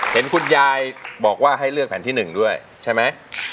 เห็นคุณยายบอกว่าให้เลือกแผ่นที่๑ด้วยใช่ไหม